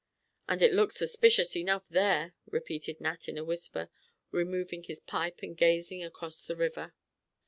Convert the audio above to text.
"And it looks suspicious enough there," repeated Nat, in a whisper, removing his pipe and gazing across the river.